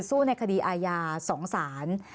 สู้ในคดีอาญา๒ศาล